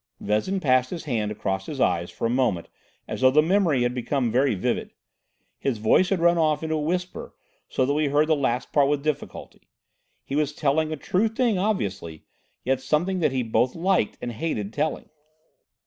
Vezin passed his hand across his eyes for a moment as though the memory had become very vivid. His voice had run off into a whisper so that we heard the last part with difficulty. He was telling a true thing obviously, yet something that he both liked and hated telling.